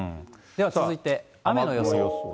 では続いて雨の様子。